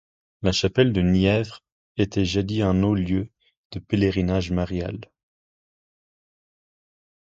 La chapelle de Nièvre était jadis un haut lieu de pèlerinage marial.